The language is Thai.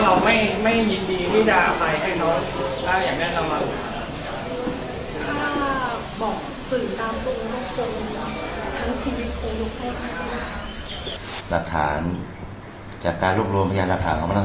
เรายังอยู่ในคำถึงว่าเราไม่ยินดีไม่จะอภัยให้เขาได้อย่างนั้นจำเป็น